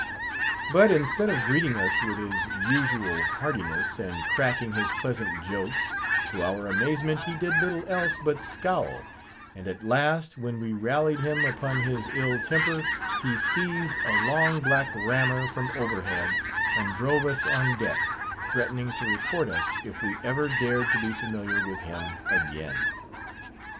But instead of greeting us with his usual heartiness, and cracking his pleasant jokes, to our amazement, he did little else but scowl; and at last, when we rallied him upon his ill temper, he seized a long black rammer from overhead, and drove us on deck; threatening to report us, if we ever dared to be familiar with him again.